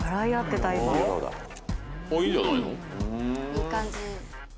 いい感じ。